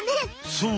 そう！